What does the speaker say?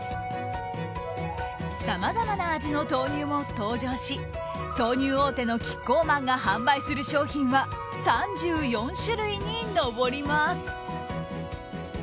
さまざまな味の豆乳も登場し豆乳大手のキッコーマンが販売する商品は３４種類に上ります。